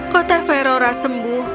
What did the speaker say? kote ferrora sembuh